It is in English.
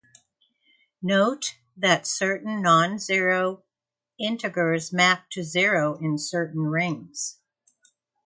Note that certain non-zero integers map to zero in certain rings.